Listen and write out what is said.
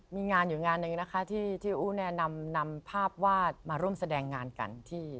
มีงานอยู่งานหนึ่งที่อู้แนะนำนำภาพวาดมาร่วมแสดงงานกัน